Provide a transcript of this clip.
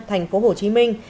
thành phố hồ chí minh